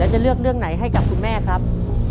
จะเลือกเรื่องไหนให้กับคุณแม่ครับ